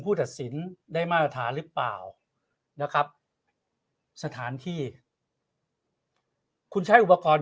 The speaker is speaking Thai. ตัดสินได้มาตรฐานหรือเปล่านะครับสถานที่คุณใช้อุปกรณ์